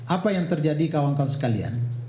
apa yang terjadi kawan kawan sekalian